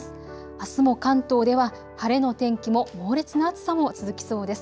あすも関東では晴れの天気も猛烈な暑さも続きそうです。